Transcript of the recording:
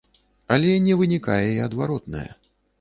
Але не вынікае і адваротнае.